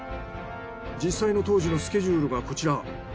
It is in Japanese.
実際の当時のスケジュールがこちら。